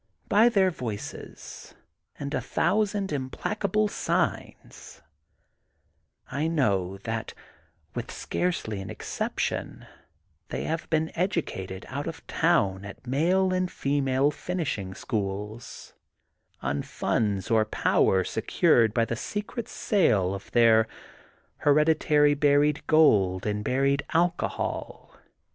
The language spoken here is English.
By their voices and a thousand impalpable signs I know that, with scarcely an exception, they have been educated out of town at male THE GOLDEN BOOK OF SPRINGFIELD 249 and female finishing schools, on funds or power secured by the secret sale of their he reditary buried gold and buried alcohol.